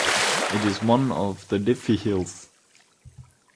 It is one of the Dyfi hills.